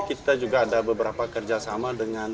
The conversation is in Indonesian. kita juga ada beberapa kerjasama dengan